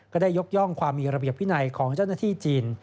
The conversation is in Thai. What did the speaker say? ได้ยกย่องความมีระเบียบวินัยของเจ้าหน้าที่จีน